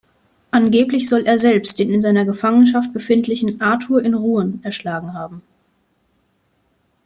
Angeblich soll er selbst den in seiner Gefangenschaft befindlichen Arthur in Rouen erschlagen haben.